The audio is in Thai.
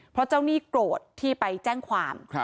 เพราะเจ้าหนี้โกรธที่ไปแจ้งความ